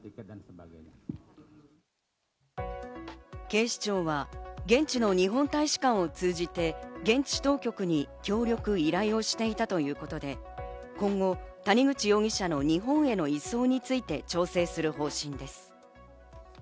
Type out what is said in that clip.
警視庁は現地の日本大使館を通じて、現地当局に協力を依頼していたということで、今後、谷口容疑者の日本への移送について調整する方針です。